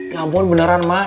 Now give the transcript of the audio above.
ya ampun beneran mak